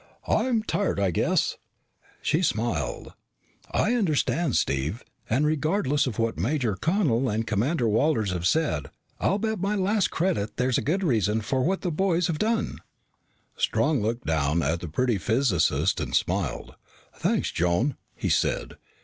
"I'm tired I guess." She smiled. "I understand, Steve, and regardless of what Major Connel and Commander Walters have said, I'll bet my last credit there's a good reason for what the boys have done." Strong looked down at the pretty physicist and smiled. "Thanks, Joan," he said.